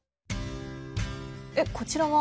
えっこちらは？